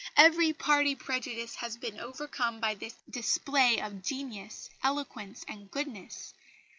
Every party prejudice has been overcome by this display of genius, eloquence and goodness....